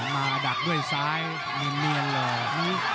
มาดักด้วยซ้ายเนียนเลย